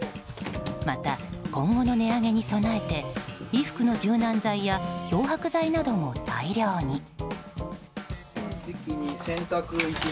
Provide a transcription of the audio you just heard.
また、今後の値上げに備えて衣服の柔軟剤や漂白剤なども大量に。